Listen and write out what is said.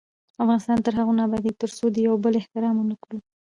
افغانستان تر هغو نه ابادیږي، ترڅو د یو بل احترام ونه کړو.